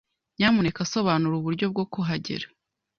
Nyamuneka sobanura uburyo bwo kuhagera.